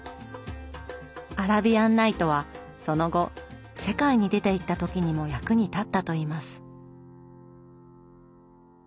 「アラビアン・ナイト」はその後世界に出ていった時にも役に立ったといいます。